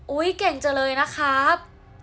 โอ้ยเก่งจะเลยนะครับ